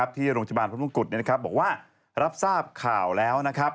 ที่โรงพยาบาลพระมงกุฎบอกว่ารับทราบข่าวแล้วนะครับ